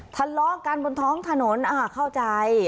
ทะเลาะกันบนท้องถนนเข้าใจ